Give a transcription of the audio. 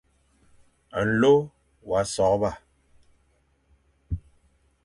Nlô wa sôrba,